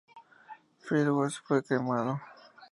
Fred West fue cremado.